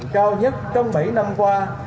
cao nhất trong bảy năm qua